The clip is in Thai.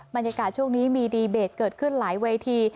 บรรยากาศช่วงนี้มีดีเบตเกิดขึ้นหลายเวที